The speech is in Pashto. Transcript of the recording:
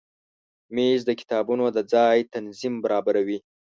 مېز د کتابونو د ځای تنظیم برابروي.